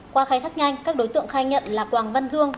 qua khai thác nhanh các đối tượng khai nhận là quảng văn dương